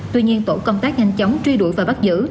tuy nhiên tổ công tác nhanh chóng truy đuổi và bắt giữ